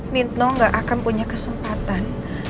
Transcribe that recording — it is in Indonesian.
nino nggak akan punya kesempatan